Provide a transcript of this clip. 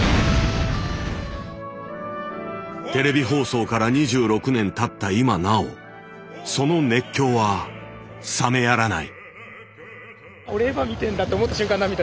テレビ放送から２６年たったいまなおその熱狂はさめやらない。